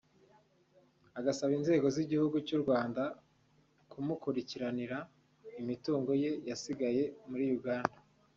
agasaba inzego z’igihugu cy’u Rwanda kumukurikiranira imitungo ye yasigaye muri Uganda